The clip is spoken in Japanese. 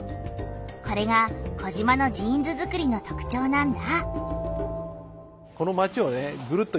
これが児島のジーンズづくりの特徴なんだ。